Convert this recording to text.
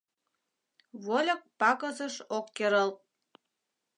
Вольык пакосыш ок керылт.